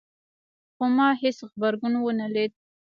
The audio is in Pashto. خو ما هیڅ غبرګون ونه لید